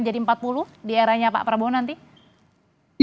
menjadi empat puluh di eranya pak prabowo nanti